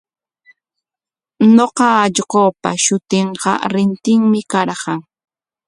Ñuqa allqupa shutinqa Rintinmi karqan.